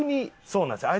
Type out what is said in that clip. そうなんですよ。